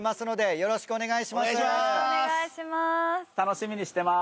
よろしくお願いします